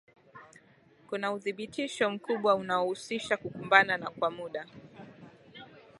Kuna uthibitisho mkubwa unaohusisha kukumbana kwa muda